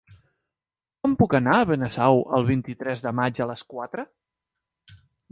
Com puc anar a Benasau el vint-i-tres de maig a les quatre?